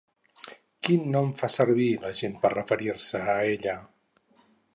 Quin nom fa servir la gent per referir-se a ella?